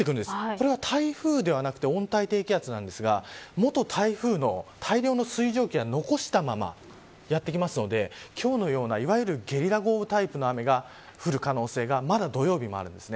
これは台風ではなく温帯低気圧なんですが元台風の大量の水蒸気を残したまま、やって来ますので今日のような、いわゆるゲリラ豪雨タイプの雨が降る可能性がまだ土曜日もあるんです。